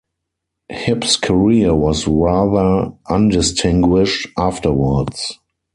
Hipp's career was rather undistinguished afterwards.